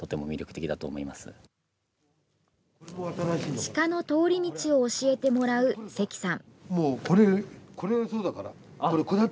鹿の通り道を教えてもらう関さん。